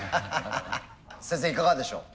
先生いかがでしょう？